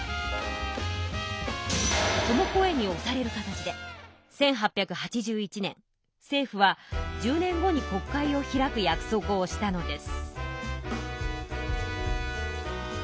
その声におされる形で１８８１年政府は十年後に国会を開く約束をしたのです。